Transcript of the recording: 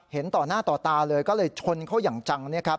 เห็นต่อหน้าต่อตาเลยก็เลยชนเขาอย่างจัง